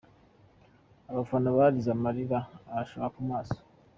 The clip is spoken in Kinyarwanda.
Abafana barize amarira abashoka mu maso.